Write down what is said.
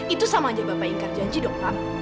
itu sama saja bapak ingat janji pak